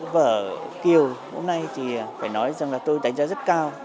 vở kiều hôm nay thì phải nói rằng là tôi đánh giá rất cao